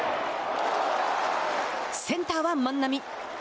センターは万波。